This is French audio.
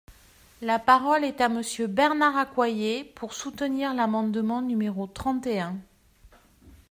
La parole est à Monsieur Bernard Accoyer, pour soutenir l’amendement numéro trente et un.